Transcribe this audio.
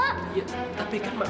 iya tapi mbak